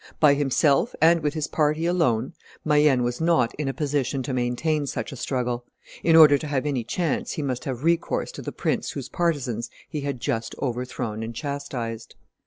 By himself and with his own party alone, Mayenne was not in a position to maintain such a struggle; in order to have any chance he must have recourse to the prince whose partisans he had just overthrown and chastised.